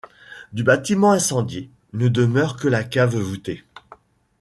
Du bâtiment incendié ne demeure que la cave voûtée.